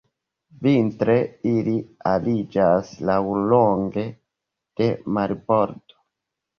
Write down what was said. Vintre ili ariĝas laŭlonge de marbordo.